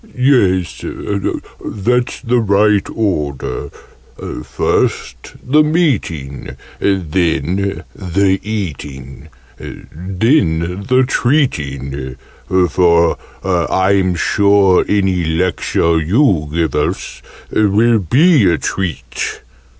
"Yes, that's the right order. First the Meeting: then the Eating: then the Treating for I'm sure any Lecture you give us will be a treat!"